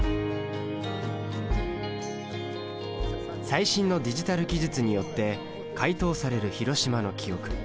最新のディジタル技術によって解凍される広島の記憶。